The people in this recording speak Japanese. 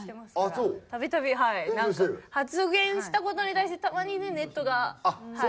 なんか発言した事に対してたまにねネットがはい。